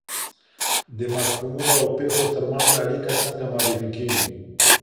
د مفهومونو او پېښو ترمنځ اړیکه څنګه معرفي کیږي؟